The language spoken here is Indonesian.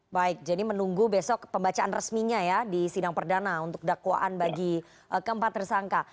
baik jadi menunggu besok pembacaan resminya ya di sidang perdana untuk dakwaan bagi keempat tersangka